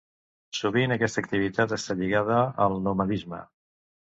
Sovint aquesta activitat està lligada al nomadisme.